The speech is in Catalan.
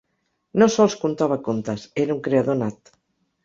No sols contava contes: era un creador nat.